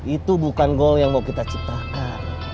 itu bukan gol yang mau kita ciptakan